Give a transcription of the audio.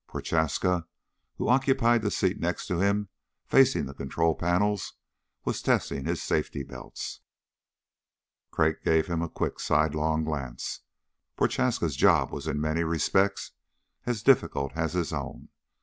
Prochaska, who occupied the seat next to him facing the control panels, was testing his safety belts. Crag gave him a quick sidelong glance. Prochaska's job was in many respects as difficult as his own.